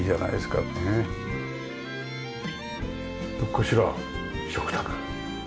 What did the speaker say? こちら食卓。